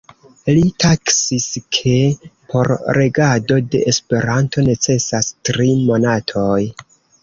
li taksis ke por regado de Esperanto necesas tri monatoj.